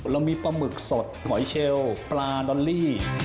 เรามีปลาหมึกสดหอยเชลปลาดอลลี่